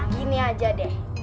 gini aja deh